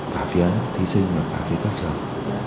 cả phía thí sinh và cả phía các trường